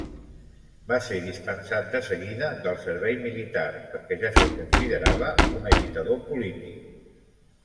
Va ser dispensat de seguida del servei militar perquè ja se'l considerava un agitador polític.